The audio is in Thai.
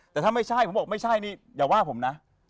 แต่ถ้าไม่ใช่ผมบอกไม่ใช่นี่อย่าว่าผมนะ